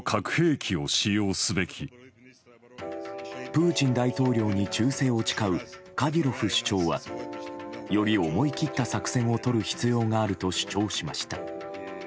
プーチン大統領に忠誠を誓うカディロフ首長はより思い切った作戦をとる必要があると主張しました。